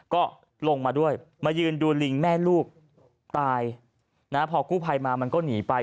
ก็ลงมาด้วยมายืนดูลิงแม่ลูกตายนะพอกู้ภัยมามันก็หนีไป